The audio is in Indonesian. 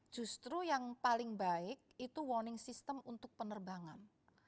justru yang paling baik itu warning system untuk penerbangan